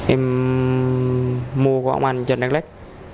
em mua của ông anh trên đắk lắk